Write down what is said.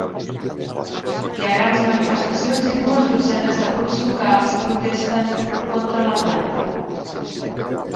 Hi ha grans manifestacions i dues dotzenes de grups locals protesten contra la planta.